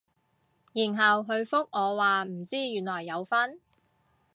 然後佢覆我話唔知原來有分